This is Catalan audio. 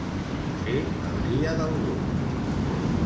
Ser el dia del gos.